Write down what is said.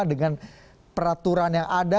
dengan peraturan yang ada